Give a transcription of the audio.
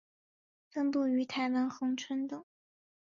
分布于台湾恒春等。